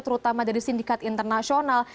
terutama dari sindikat internasional